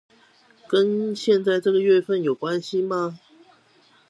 跟現在這個月份有關係嗎